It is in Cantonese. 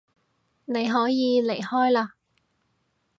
你可以離開嘞